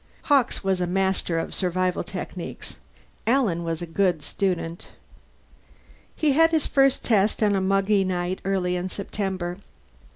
Hawkes was a master of survival techniques; Alan was a good student. He had his first test on a muggy night early in September.